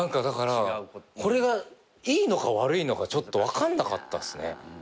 だからこれがいいのか悪いのかちょっと分かんなかったっすね。